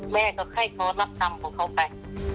แม่ก็ให้เขารับกรรมของเขาไป